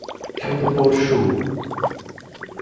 সে তো পরশু!